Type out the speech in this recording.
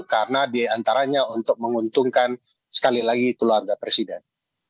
karena diantaranya untuk menguntungkan sekali lagi keluarga presiden